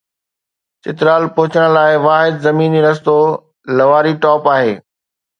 چترال پهچڻ لاءِ واحد زميني رستو لواري ٽاپ آهي.